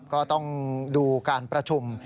ก็ต้องดูการประชุม